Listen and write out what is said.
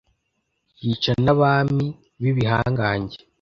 yica n'abami b'ibihangange